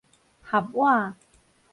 合倚